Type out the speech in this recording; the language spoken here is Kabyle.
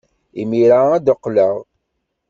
Imir-a ad d-qqleɣ.